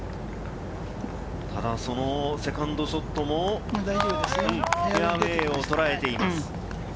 そのセカンドショットもフェアウエーをとらえています。